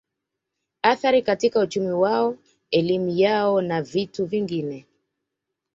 Athari katika uchumi wao elimu yao na vitu vingine